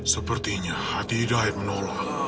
sepertinya hati idaid menolak